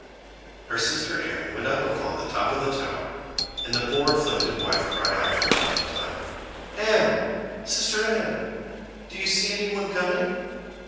Her sister Anne went up upon the top of the tower, and the poor afflicted wife cried out from time to time, "Anne, sister Anne, do you see any one coming?"